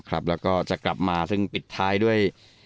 แล้วก็จะกลับมาซึ่งปิดท้ายด้วย